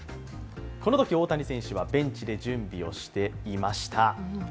このとき、大谷選手はベンチで準備をしていました。